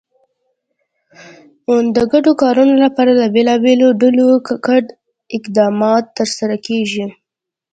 د ګډو کارونو لپاره د بېلابېلو ډلو ګډ اقدامات ترسره کېږي.